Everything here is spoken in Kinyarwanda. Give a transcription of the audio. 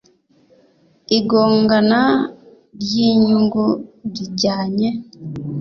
Igongana ry inyungu rijyanye